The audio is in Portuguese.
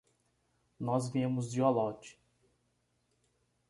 Nós viemos de Olot.